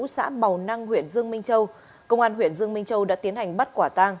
xã bào năng huyện dương minh châu công an huyện dương minh châu đã tiến hành bắt quả tang